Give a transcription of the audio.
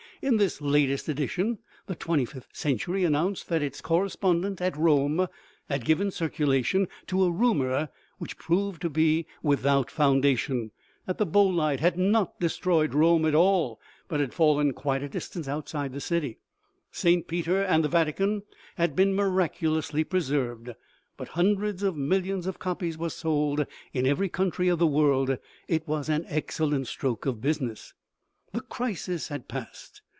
In this latest edition, the xxvth Century announced that its cor respondent at Rome had given circulation to a rumor which proved to be without foundation ; that the bolide had not destroyed Rome at all, but had fallen quite a dis tance outside the city. St. Peter and the Vatican had been miraculously preserved. But hundreds of millions of copies were sold in every country of the world. It was an excellent stroke of business. The crisis had passed.